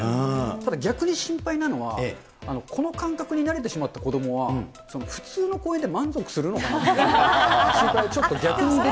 ただ逆に心配なのが、この感覚に慣れてしまった子どもは、普通の公園で満足するのかなという心配が、ちょっと逆に出てくる。